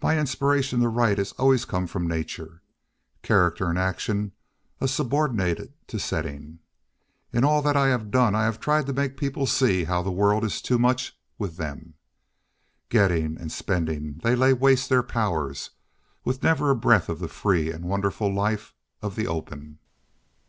My inspiration to write has always come from nature. Character and action are subordinated to setting. In all that I have done I have tried to make people see how the world is too much with them. Getting and spending they lay waste their powers, with never a breath of the free and wonderful life of the open!